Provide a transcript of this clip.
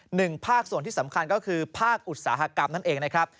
หนึ่งภาคส่วนที่สำคัญก็คือภาคอุตสาหกรรมนั่นเองนะครับ